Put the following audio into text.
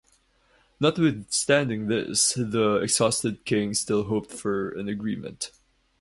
Notwithstanding this, the exhausted king still hoped for an agreement.